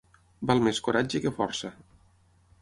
Val més coratge que força.